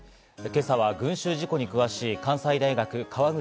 今朝は群衆事故に詳しい関西大学・川口